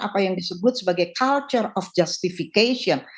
apa yang disebut sebagai culture of justification